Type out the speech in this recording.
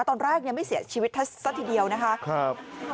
ตอนแรกไม่เสียชีวิตซะทีเดียวนะคะ